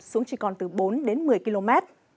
xuống chỉ còn từ bốn một mươi km